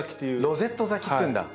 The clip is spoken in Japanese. ロゼット咲きっていうんだ。